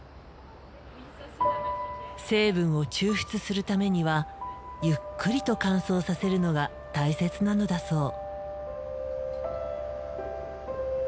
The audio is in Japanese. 成分を抽出するためにはゆっくりと乾燥させるのが大切なのだそう。